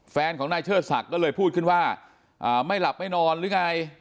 แฟนของนายเชิดศักดิ์ก็เลยพูดขึ้นว่าไม่หลับไม่นอนหรือไง